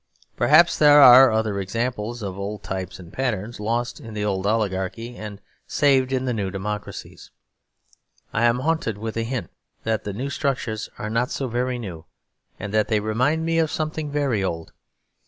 Perhaps there are other examples of old types and patterns, lost in the old oligarchy and saved in the new democracies. I am haunted with a hint that the new structures are not so very new; and that they remind me of something very old.